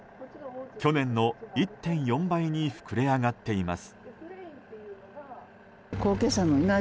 去年の１．４倍に膨れ上がっています。